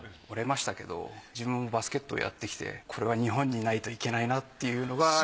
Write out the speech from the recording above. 折れましたけど自分もバスケットやってきてこれは日本にないといけないなっていうのが。